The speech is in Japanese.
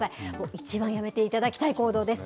一番やめていただきたい行動です。